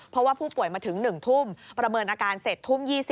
เพราะว่าผู้ป่วยมาถึง๑ทุ่มประเมินอาการเสร็จทุ่ม๒๐